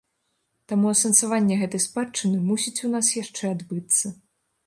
Таму асэнсаванне гэтай спадчыны мусіць у нас яшчэ адбыцца.